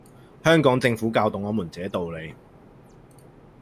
香港政府教懂我們這道理